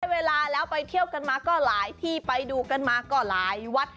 เวลาแล้วไปเที่ยวกันมาก็หลายที่ไปดูกันมาก็หลายวัด